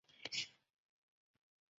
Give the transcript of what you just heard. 目前在国立台湾文学馆任职。